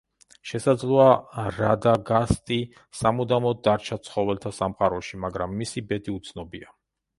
შესაძლოა, რადაგასტი სამუდამოდ დარჩა ცხოველთა სამყაროში, მაგრამ მისი ბედი უცნობია.